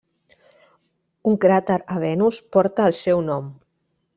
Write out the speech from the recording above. Un cràter a Venus porta el seu nom.